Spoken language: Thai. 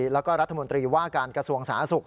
แล้วก็รัฐมนตรีว่าการกระทรวงสาศุกร์